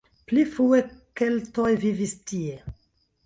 Pli frue keltoj vivis tie.